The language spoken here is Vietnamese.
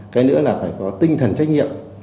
cái nữa là phải có tinh thần trách nhiệm